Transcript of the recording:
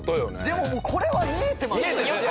でももうこれは見えてますよね。